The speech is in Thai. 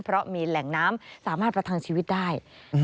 เพราะมีแหล่งน้ำสามารถประทังชีวิตได้